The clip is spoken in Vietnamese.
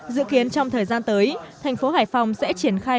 dự kiến trong thời gian tới thành phố hải phòng sẽ triển khai